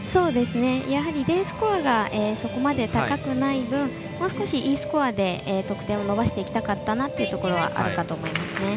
やはりＤスコアがそこまで高くない分もう少しＥスコアで得点を伸ばしていきたかったところはあるかもしれませんね。